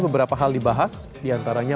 beberapa hal dibahas diantaranya